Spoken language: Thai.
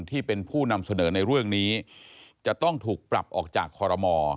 ที่เป็นผู้นำเสนอในเรื่องนี้จะต้องถูกปรับออกจากคอรมอ